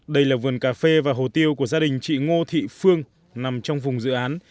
đây là vườn cà phê và hồ tiêu của gia đình chị ngô thị phương nằm trong vùng dự án